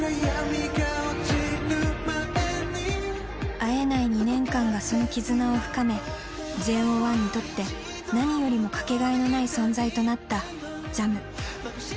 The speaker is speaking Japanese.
会えない２年間がその絆を深めＪＯ１にとって何よりも掛けがえのない存在となったＪＡＭ。